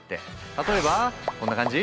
例えばこんな感じ？